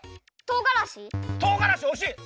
とうがらしおしい！